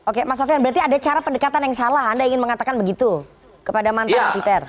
oke mas sofian berarti ada cara pendekatan yang salah anda ingin mengatakan begitu kepada mantan peter